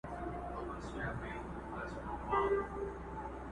زوی ته په زانګو کي د فرنګ خبري نه کوو!!